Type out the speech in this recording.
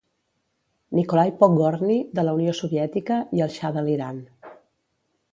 Nikolai Podgorni de la unió Soviètica i el xa de l'Iran.